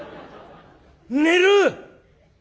「寝る！」。